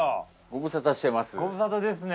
ご無沙汰ですね。